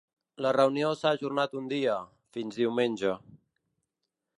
La reunió s’ha ajornat un dia, fins diumenge.